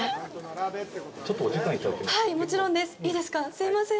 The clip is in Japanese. すみません。